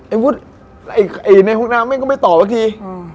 ไอ้บุ๊ตไอ้ในห้องน้ำเนี่ยก็ไม่ตอบแป๊บที